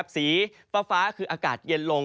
สีฟ้าคืออากาศเย็นลง